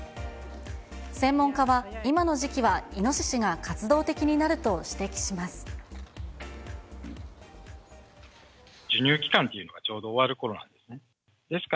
専門家は、今の時期はイノシシが活動的になると指摘します。